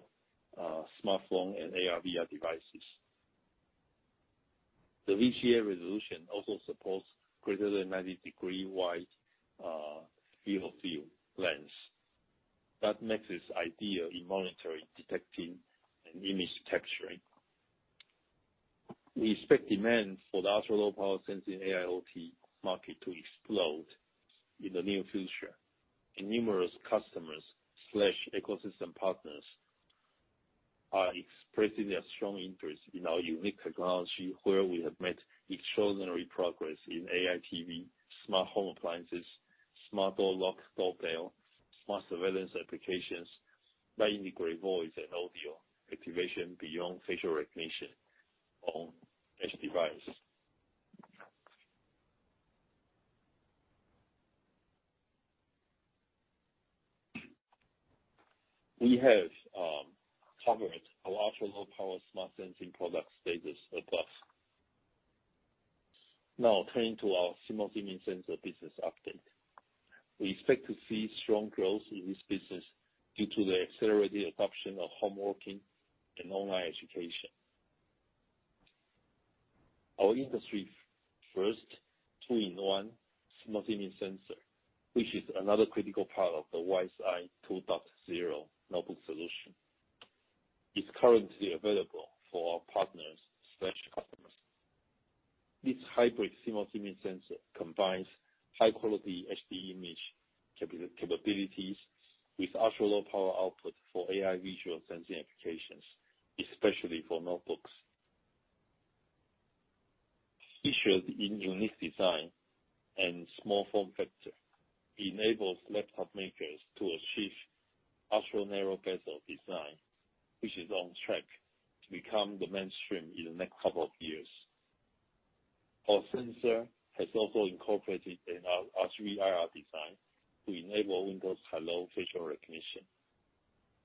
smartphone, and AR/VR devices. The VGA resolution also supports greater than 90-degree wide field of view lens. That makes this ideal in monitoring, detecting, and image capturing. We expect demand for the ultra-low power sensing AIoT market to explode in the near future, and numerous customers/ecosystem partners are expressing their strong interest in our unique technology, where we have made extraordinary progress in AI TV, smart home appliances, smart door lock doorbell, smart surveillance applications, by integrate voice and audio activation beyond facial recognition on edge device. We have covered our ultra-low power smart sensing product status above. Turning to our CMOS image sensor business update. We expect to see strong growth in this business due to the accelerated adoption of home working and online education. Our industry first 2-in-1 CMOS image sensor, which is another critical part of the WiseEye 2.0 NB solution, is currently available for our partners/customers. This hybrid CMOS image sensor combines high-quality HD image capabilities with ultra-low power output for AI visual sensing applications, especially for notebooks. Featured in unique design and small form factor enables laptop makers to achieve ultra-narrow bezel design, which is on track to become the mainstream in the next couple of years. Our sensor has also incorporated an RGB-IR design to enable Windows Hello facial recognition.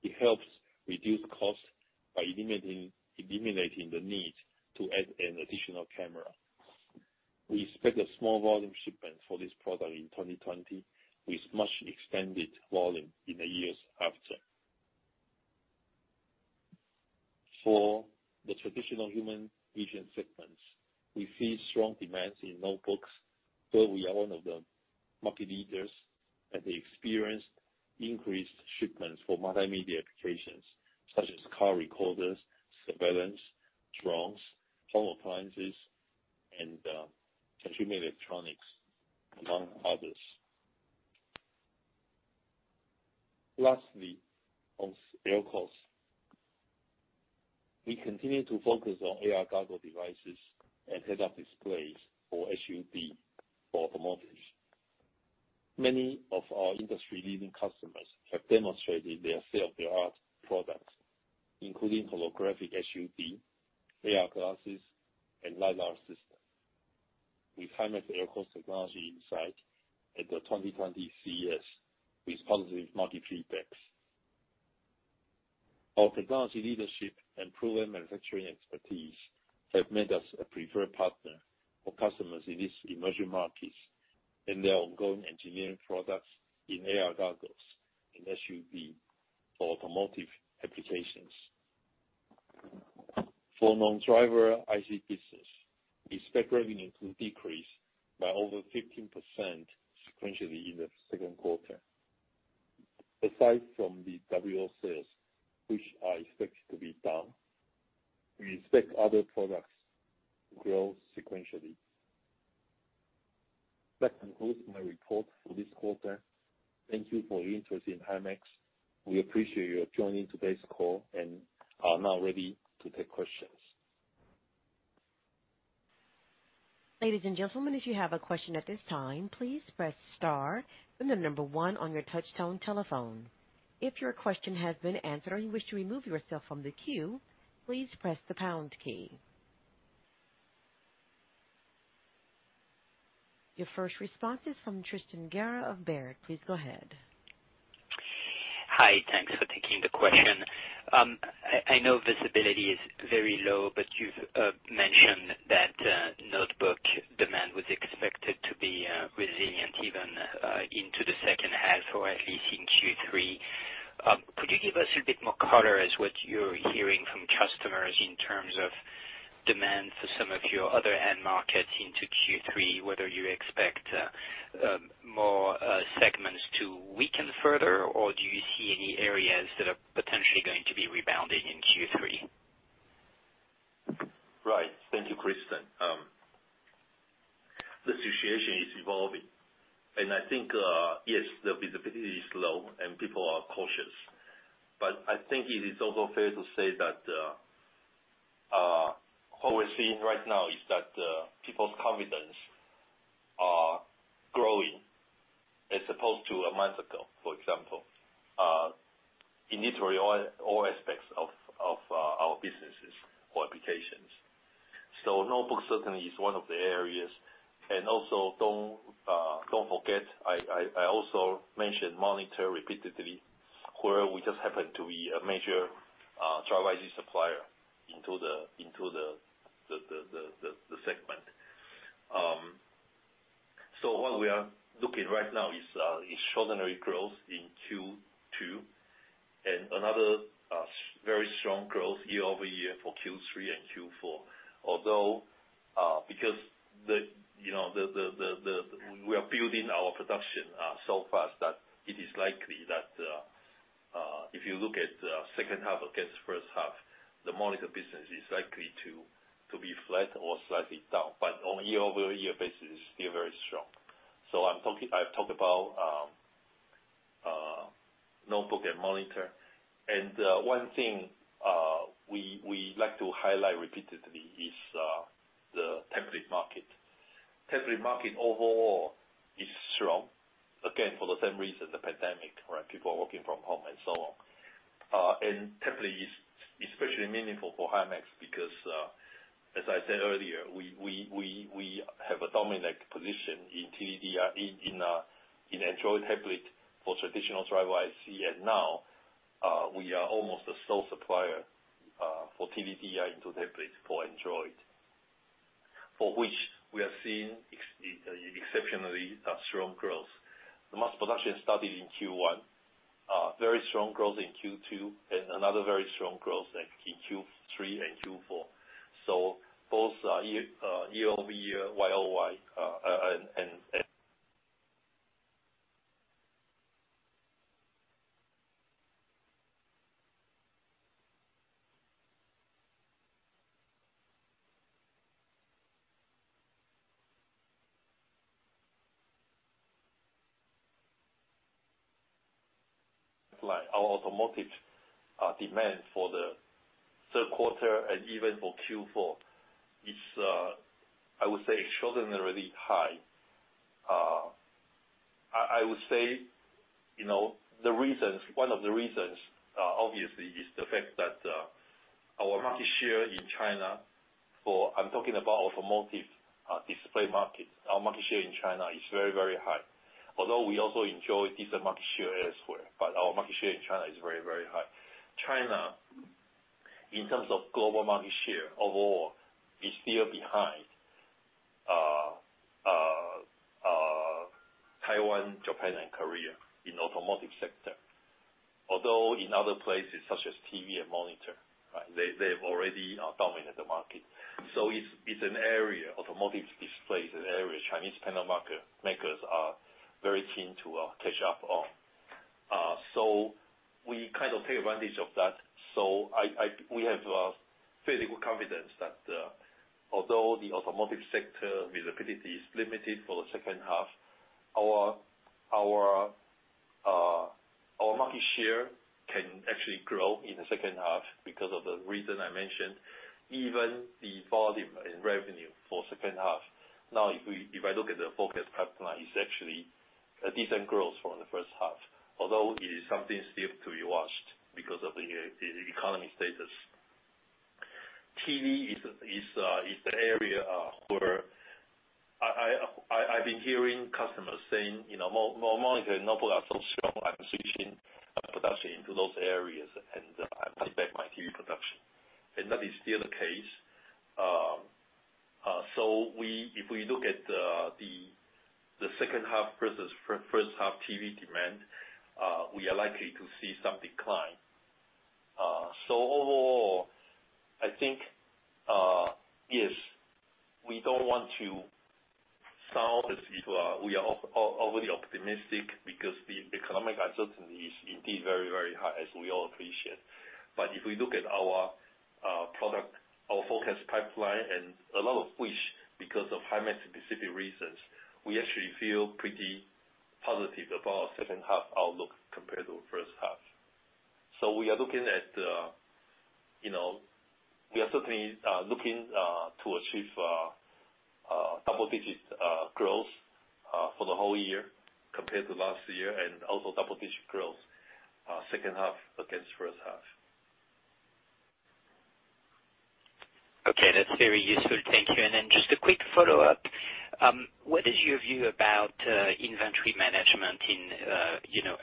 It helps reduce costs by eliminating the need to add an additional camera. We expect a small volume shipment for this product in 2020, with much extended volume in the years after. For the traditional human vision segments, we see strong demands in notebooks, where we are one of the market leaders, as they experienced increased shipments for multimedia applications such as car recorders, surveillance, drones, home appliances, and consumer electronics, among others. Lastly, on LCOS. We continue to focus on AR goggle devices and head-up-displays or HUD for automotive. Many of our industry-leading customers have demonstrated their state-of-the-art products, including holographic HUD, AR glasses, and LiDAR systems. We highlight LCOS technology inside at the 2020 CES with positive market feedbacks. Our technology leadership and proven manufacturing expertise have made us a preferred partner for customers in these emerging markets in their ongoing engineering products in AR goggles and HUD for automotive applications. For non-driver IC business, we expect revenue to decrease by over 15% sequentially in the second quarter. Aside from the WLO sales, which are expected to be down, we expect other products to grow sequentially. That concludes my report for this quarter. Thank you for your interest in Himax. We appreciate you joining today's call and are now ready to take questions. Ladies and gentlemen, if you have a question at this time, please press star, and then the number one on your touch tone telephone. If your question has been answered or you wish to remove yourself from the queue, please press the pound key. Your first response is from Tristan Gerra of Baird. Please go ahead. Hi. Thanks for taking the question. I know visibility is very low, but you've mentioned that notebook demand was expected to be resilient even into the second half or at least in Q3. Could you give us a bit more color as what you're hearing from customers in terms of demand for some of your other end markets into Q3, whether you expect more segments to weaken further, or do you see any areas that are potentially going to be rebounding in Q3? Right. Thank you, Tristan. The situation is evolving, and I think, yes, the visibility is low, and people are cautious. I think it is also fair to say that what we're seeing right now is that people's confidence are growing as opposed to a month ago, for example, in literally all aspects of our businesses or applications. Notebook certainly is one of the areas. Also, don't forget, I also mentioned monitor repeatedly, where we just happen to be a major driver IC supplier into the segment. What we are looking at right now is extraordinary growth in Q2 and another very strong growth year-over-year for Q3 and Q4. Because we are building our production so fast that it is likely that if you look at the second half against first half, the monitor business is likely to be flat or slightly down, but on a year-over-year basis, still very strong. I've talked about notebook and monitor. One thing we like to highlight repeatedly is the tablet market. Tablet market overall is strong, again, for the same reason, the pandemic, where people are working from home and so on. Tablet is especially meaningful for Himax because, as I said earlier, we have a dominant position in TDDI in Android tablet for traditional driver IC, and now we are almost the sole supplier for TDDI into tablets for Android. For which we are seeing exceptionally strong growth. The mass production started in Q1. Very strong growth in Q2 and another very strong growth in Q3 and Q4. Both year-over-year, Y-o-Y, and our automotive demand for the third quarter and even for Q4 is, I would say, extraordinarily high. I would say one of the reasons, obviously, is the fact that our market share in China for I'm talking about automotive display market. Our market share in China is very, very high. Although we also enjoy decent market share elsewhere, but our market share in China is very, very high. China, in terms of global market share overall, is still behind Taiwan, Japan, and Korea in automotive sector. Although in other places such as TV and monitor, they've already dominated the market. It's an area, automotive display is an area Chinese panel makers are very keen to catch up on. We kind of take advantage of that. We have fairly good confidence that although the automotive sector visibility is limited for the second half, our market share can actually grow in the second half because of the reason I mentioned, even the volume and revenue for second half. If I look at the forecast pipeline, it's actually a decent growth from the first half. It is something still to be watched because of the economy status. TV is the area where I've been hearing customers saying, "Monitor and notebook are so strong, I'm switching production into those areas and I might cut my TV production." That is still the case. If we look at the second half versus first half TV demand, we are likely to see some decline. Overall, I think, yes, we don't want to sound as if we are overly optimistic because the economic uncertainty is indeed very, very high, as we all appreciate. If we look at our product, our forecast pipeline, and a lot of which, because of Himax-specific reasons, we actually feel pretty positive about our second half outlook compared to first half. We are certainly looking to achieve double-digit growth for the whole year compared to last year, and also double-digit growth second half against first half. Okay, that's very useful. Thank you. Just a quick follow-up. What is your view about inventory management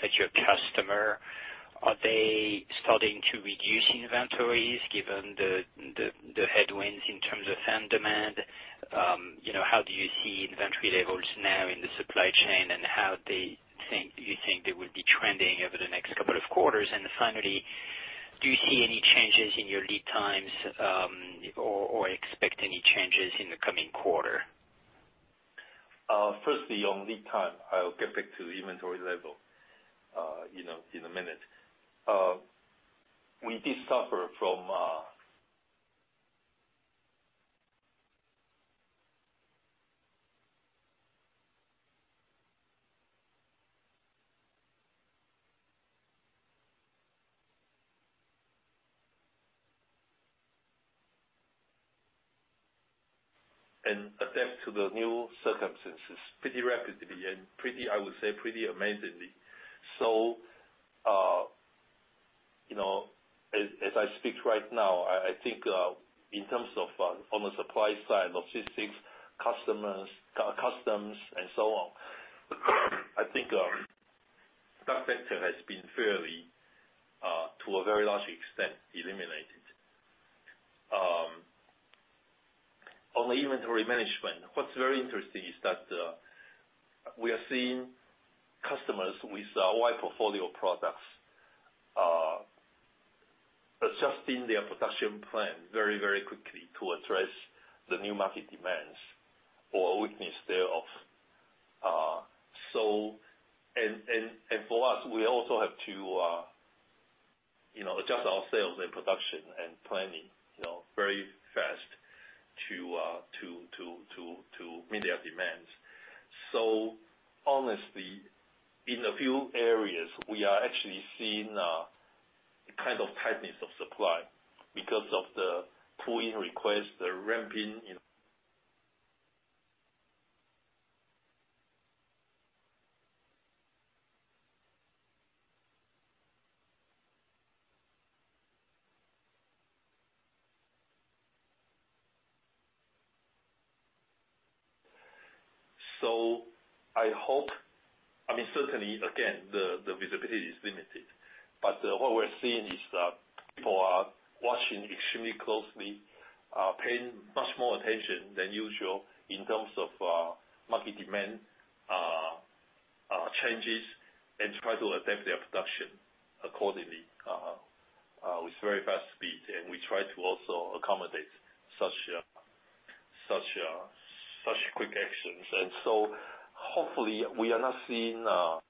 at your customer? Are they starting to reduce inventories given the headwinds in terms of demand? How do you see inventory levels now in the supply chain, and how do you think they will be trending over the next couple of quarters? Finally, do you see any changes in your lead times, or expect any changes in the coming quarter? Firstly, on lead time, I'll get back to the inventory level in a minute. We did suffer. Adapt to the new circumstances pretty rapidly and I would say, pretty amazingly. As I speak right now, I think in terms of on the supply side, logistics, customs, and so on, I think that factor has been fairly, to a very large extent, eliminated. On the inventory management, what's very interesting is that we are seeing customers with a wide portfolio of products adjusting their production plan very quickly to address the new market demands or weakness thereof. For us, we also have to adjust our sales and production and planning very fast to meet their demands. Honestly, in a few areas, we are actually seeing a kind of tightness of supply because of the pull-in requests, the ramping in. I hope. Certainly, again, the visibility is limited. What we're seeing is that people are watching extremely closely, paying much more attention than usual in terms of market demand changes, and try to adapt their production accordingly with very fast speed. We try to also accommodate such quick actions. Hopefully, we are not.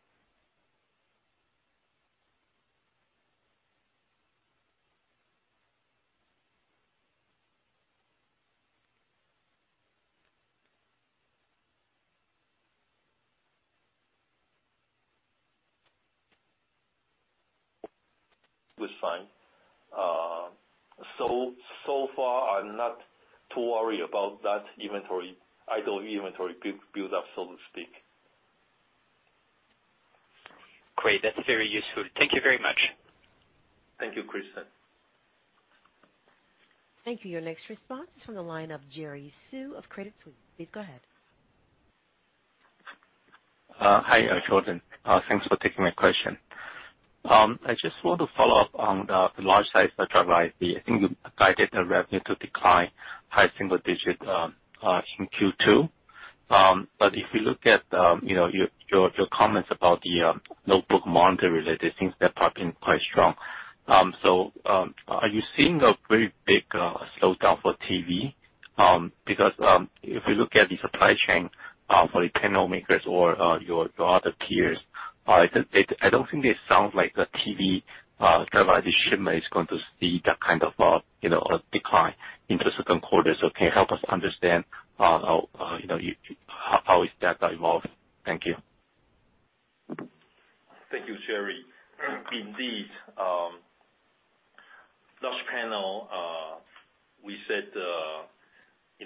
So far, I'm not too worried about that idle inventory build-up, so to speak. Great. That's very useful. Thank you very much. Thank you, Tristan. Thank you. Your next response is from the line of Jerry Su of Credit Suisse. Please go ahead. Hi, Jordan. Thanks for taking my question. I just want to follow up on the large size of driver IC. I think you guided the revenue to decline high single digits in Q2. If you look at your comments about the notebook monitor related things, they have been quite strong. Are you seeing a very big slowdown for TV? If you look at the supply chain for the panel makers or your other peers, I don't think they sound like the TV driver IC shipment is going to see that kind of a decline into second quarter. Can you help us understand how that evolved? Thank you. Thank you, Jerry. Indeed. Large panel, we said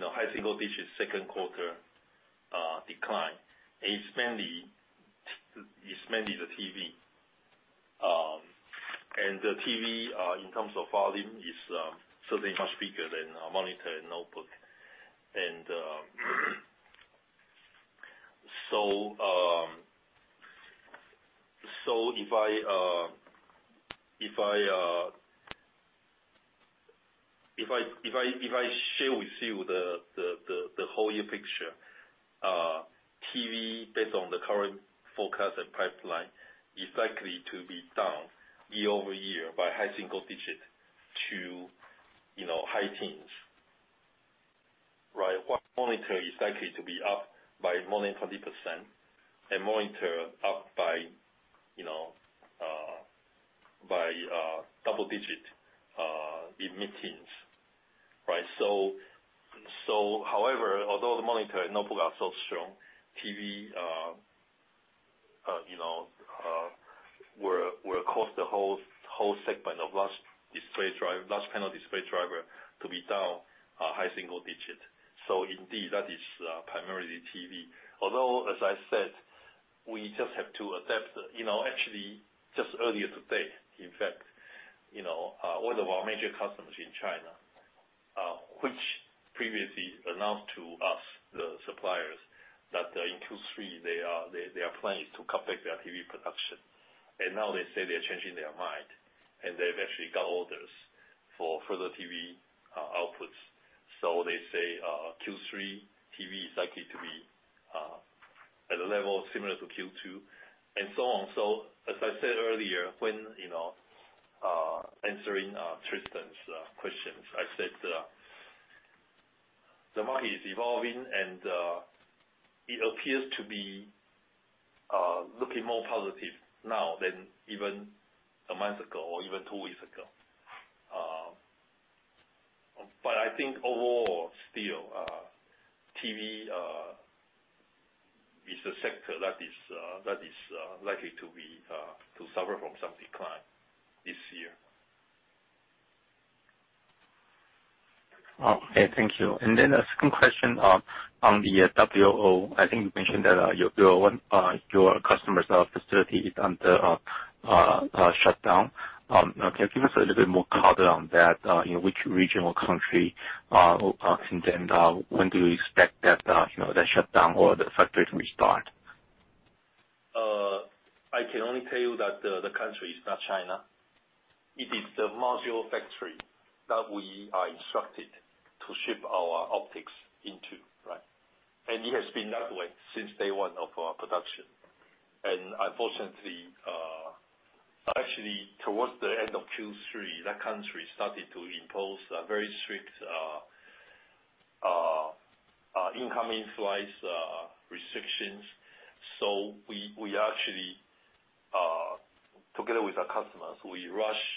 high single digits second quarter decline. It's mainly the TV. The TV, in terms of volume, is certainly much bigger than monitor and notebook. If I share with you the whole year picture, TV based on the current forecast and pipeline is likely to be down year-over-year by high single digits to high teens. While monitor is likely to be up by more than 20% and monitor up by double digits in mid-teens. However, although the monitor and notebook are so strong, TV will cost the whole segment of large panel display driver to be down a high single digit. Indeed, that is primarily TV. Although, as I said, we just have to adapt. Actually, just earlier today, in fact, one of our major customers in China, which previously announced to us, the suppliers, that in Q3 their plan is to cut back their TV production. Now they say they're changing their mind, and they've actually got orders for further TV outputs. They say Q3 TV is likely to be at a level similar to Q2 and so on. As I said earlier when answering Tristan's questions, I said the market is evolving, and it appears to be looking more positive now than even a month ago or even two weeks ago. I think overall, still, TV is a sector that is likely to suffer from some decline this year. Okay, thank you. A second question on the WLO. I think you mentioned that your customer's facility is under a shutdown. Can you give us a little bit more color on that? In which region or country? When do you expect that shutdown or the factory to restart? I can only tell you that the country is not China. It is the module factory that we are instructed to ship our optics into, right? It has been that way since day one of our production. Unfortunately, actually, towards the end of Q3, that country started to impose very strict incoming flights restrictions. We actually, together with our customers, we rushed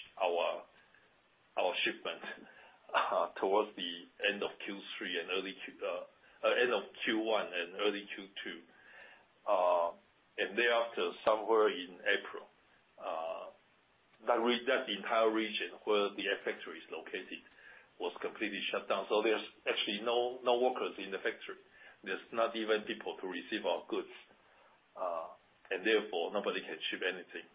our shipment towards the end of Q1 and early Q2. Thereafter, somewhere in April, that entire region where the factory is located was completely shut down. There's actually no workers in the factory. There's not even people to receive our goods. Therefore, nobody can ship anything.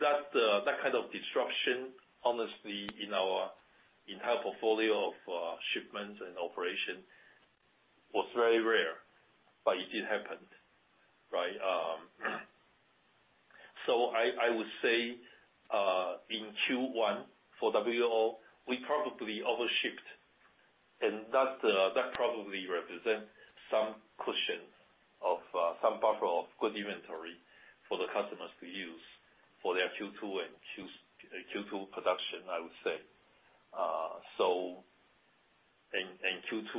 That kind of disruption, honestly, in our entire portfolio of shipments and operation was very rare, but it did happen, right? I would say, in Q1 for WLO, we probably over-shipped. That probably represents some buffer of good inventory for the customers to use for their Q2 production, I would say. In Q2,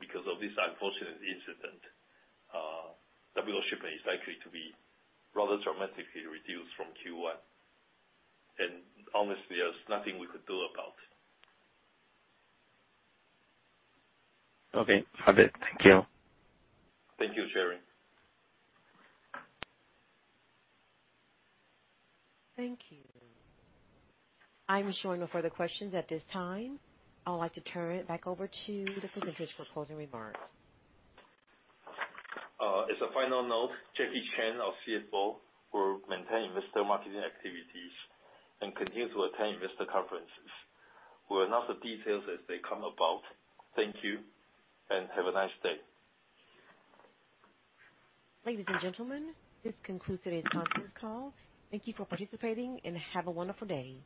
because of this unfortunate incident, WLO shipment is likely to be rather dramatically reduced from Q1. Honestly, there's nothing we could do about it. Okay. [Got it]. Thank you. Thank you, Jerry. Thank you. I'm showing no further questions at this time. I would like to turn it back over to the presenters for closing remarks. As a final note, Jackie Chang, our CFO, will maintain investor marketing activities and continue to attend investor conferences. We'll announce the details as they come about. Thank you, and have a nice day. Ladies and gentlemen, this concludes today's conference call. Thank you for participating, and have a wonderful day.